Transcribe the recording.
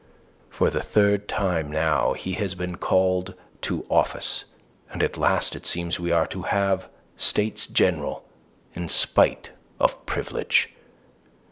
For the third time now has he been called to office, and at last it seems we are to have States General in spite of Privilege.